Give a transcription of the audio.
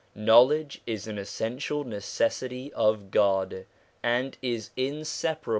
Knowledge is an essential necessity of God, and is inseparable from Him.